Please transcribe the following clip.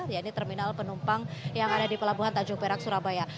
yaitu terminal penumpang yang ada di pelabuhan tanjung perak surabaya